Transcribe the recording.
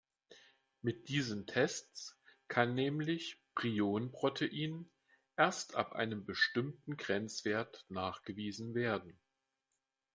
Mit diesen Tests kann nämlich Prionprotein erst ab einem bestimmten Grenzwert nachgewiesen werden.